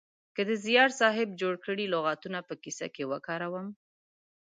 که د زیار صاحب جوړ کړي لغاتونه په کیسه کې وکاروم